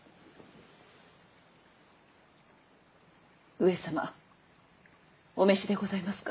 上様お召しでございますか？